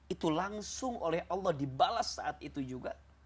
itu langsung oleh allah dibalas saat itu juga